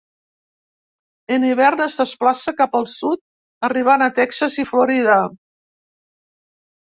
En hivern es desplaça cap al sud arribant a Texas i Florida.